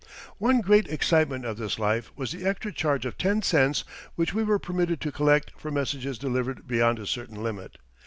One great excitement of this life was the extra charge of ten cents which we were permitted to collect for messages delivered beyond a certain limit.